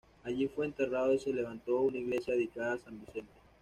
Allí fue enterrado y se levantó una iglesia dedicada a San Vicente.